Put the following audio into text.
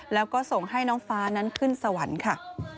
แล้วก็ส่งให้น้องฟ้านั้นขึ้นสวรรค์ค่ะ